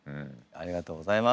ありがとうございます。